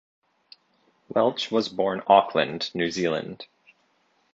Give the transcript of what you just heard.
Welch was born Auckland, New Zealand.